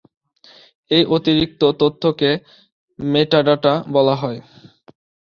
এই অতিরিক্ত তথ্যকে মেটাডাটা বলা হয়।